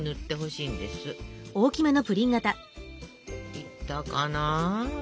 いったかな。